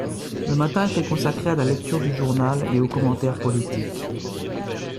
le matin était consacré à la lecture du journal et aux commentaires politiques.